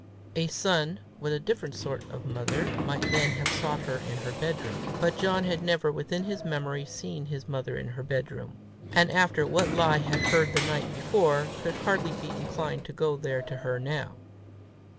A son with a different sort of mother, might then have sought her in her bedroom; but John had never within his memory seen his mother in her bedroom, and after what lie had heard the night before, could hardly be inclined to go there to her now.